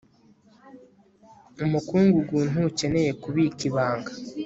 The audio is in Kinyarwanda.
umukungugu ntukeneye kubika ibanga